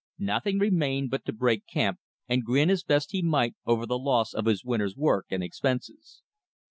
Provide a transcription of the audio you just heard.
Nothing remained but to break camp and grin as best he might over the loss of his winter's work and expenses.